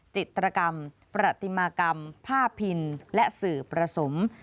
จิตรกรรมประติมากรรมภาพพินและสื่อประสม